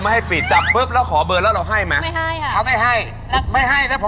ไม่ให้แล้วผมก็พามนำบัตร